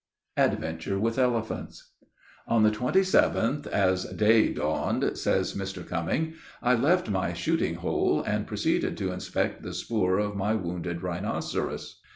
ADVENTURE WITH ELEPHANTS. On the 27th, as day dawned, says Mr. Cumming, I left my shooting hole, and proceeded to inspect the spoor of my wounded rhinoceros.